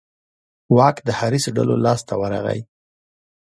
واک د حریصو ډلو لاس ته ورغی.